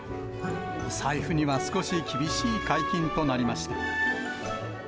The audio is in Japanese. お財布には少し厳しい解禁となりました。